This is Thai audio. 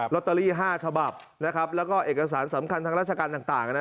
ลอตเตอรี่๕ฉบับแล้วก็เอกสารสำคัญทางราชการทางต่างนะ